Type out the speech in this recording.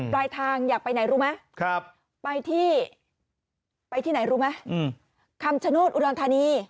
ปลายทางอยากไปไหนรู้ไหมไปที่ไปที่ไหนรู้ไหมคำชโนธอุดรธานี